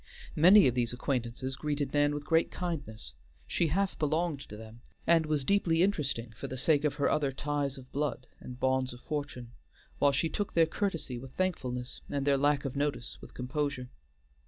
Many of these acquaintances treated Nan with great kindness; she half belonged to them, and was deeply interesting for the sake of her other ties of blood and bonds of fortune, while she took their courtesy with thankfulness, and their lack of notice with composure.